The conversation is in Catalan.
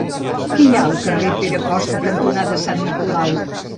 Què hi ha al carrer Pere Costa cantonada Sant Nicolau?